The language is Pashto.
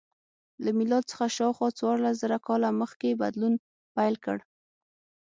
له میلاد څخه شاوخوا څوارلس زره کاله مخکې بدلون پیل کړ.